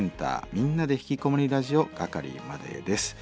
「みんなでひきこもりラジオ」係までです。